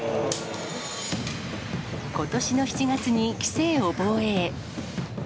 ことしの７月に棋聖を防衛。